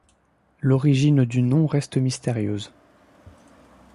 L'origine du nom reste mystérieuse.